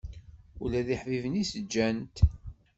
Ula d iḥbiben-is ǧǧan-t.